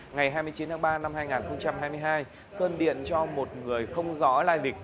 ngày hai mươi chín tháng ba năm hai nghìn hai mươi hai sơn điện cho một người không rõ lai lịch